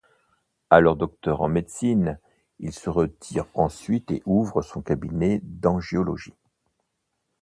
Alors docteur en médecine, il se retire ensuite et ouvre son cabinet d'angiologie.